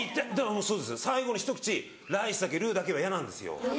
そうです最後のひと口ライスだけルーだけは嫌なんですよ